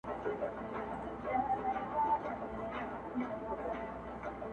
چي یې ټول خپلوان کړل قتل زړه یې سوړ سو!